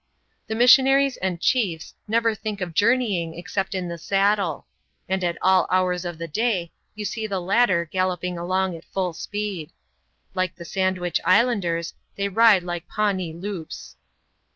The missionaries and chiefs never think of journeying except in the saddle ; and at all hours of the day you see the latter galloping along at full speed. Like the Sandwich Islanders, they ride like Pawnee Loups.